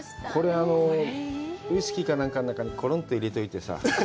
これ、ウイスキーか何かの中にコロンと入れてさ。